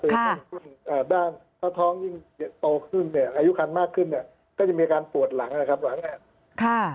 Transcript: ถ้าท้องยิ่งโตขึ้นเนี่ยอายุครรภ์มากขึ้นเนี่ยก็จะมีอาการปวดหลังอะครับหลังแห่ง